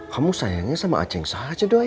kamu sayangnya sama aceh yang sah aja doi